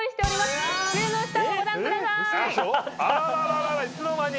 あららいつの間に！